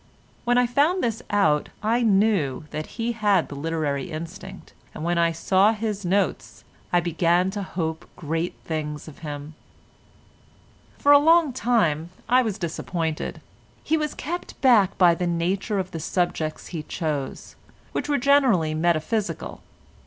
When I found out this, I knew that he had the literary instinct, and when I saw his notes I began to hope great things of him. For a long time I was disappointed. He was kept back by the nature of the subjects he chose—which were generally metaphysical.